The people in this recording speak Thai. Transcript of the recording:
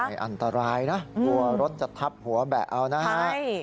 อันตรายนะกลัวรถจะทับหัวแบะเอานะฮะ